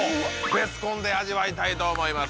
ベスコンで味わいたいと思います